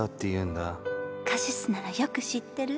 カシスならよく知ってる！